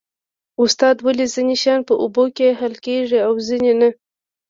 استاده ولې ځینې شیان په اوبو کې حل کیږي او ځینې نه